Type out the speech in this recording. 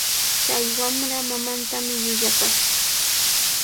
Chay wamra mamantami llullapashqa.